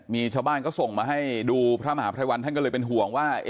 มีชาวบ้านก็ส่งมาให้ดูพระมหาภัยวันท่านก็เลยเป็นห่วงว่า